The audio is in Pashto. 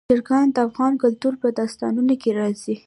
چرګان د افغان کلتور په داستانونو کې راځي.